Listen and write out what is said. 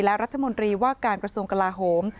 และรัฐมนตรีว่าการกระทรวงกลาโหม